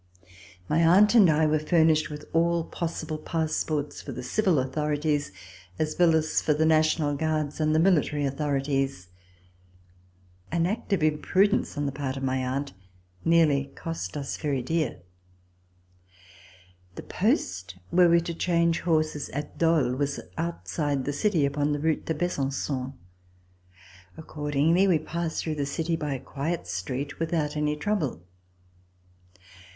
My aunt and I were furnished with all possible passports for the civil authorities, as well as for the National Guards and the military authorities. An C>i5] RECOLLECTIONS OF THE REVOLUTION act of imprudence on the part of my aunt nearly cost us very dear. The post where we were to change horses at Dole was outside the city upon the route to Besanfon. Accordingly, we passed through the city by a quiet street without any trouble.